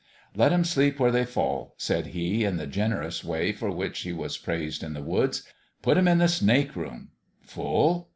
" Let 'em sleep where they fall," said he, in the generous way for which he was praised in the woods. "Put 'em in the snake room. Full?